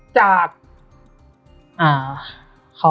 จาก